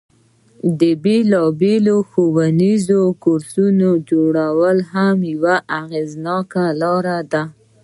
د بیلابیلو ښوونیزو کورسونو جوړول هم یوه اغیزناکه لاره ده.